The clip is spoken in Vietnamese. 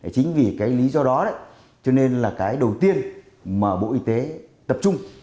chính vì cái lý do đó đấy cho nên là cái đầu tiên mà bộ y tế tập trung